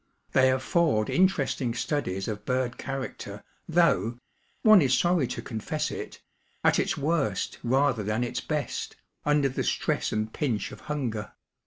They afford interesting studies of bird character, thoughŌĆö one is sorry to con fess it ŌĆö at its worst rather than its best, under the stress and pinch of hunger.